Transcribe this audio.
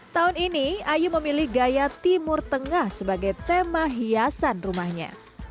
tahun ini ayu memilih gaya timur tengah sebagai tema hiasan rumahnya